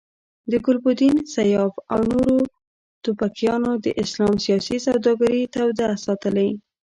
د ګلبدین، سیاف او نورو توپکیانو د اسلام سیاسي سوداګري توده ساتلې.